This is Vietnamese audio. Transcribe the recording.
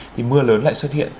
thì mưa lớn lại xuất hiện